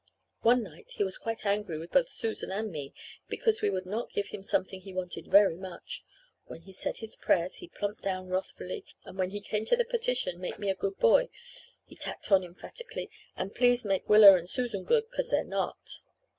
"One night he was quite angry with both Susan and me because we would not give him something he wanted very much. When he said his prayers he plumped down wrathfully, and when he came to the petition 'Make me a good boy' he tacked on emphatically, 'and please make Willa and Susan good, 'cause they're not.'